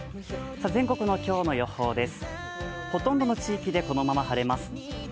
全国の今日の予報です。